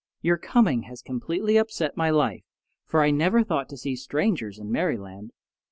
Your coming has completely upset my life, for I never thought to see strangers in Merryland.